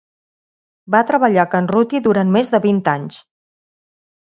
Va treballar a Can Ruti durant més de vint anys.